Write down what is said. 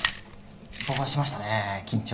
僕はしましたね緊張。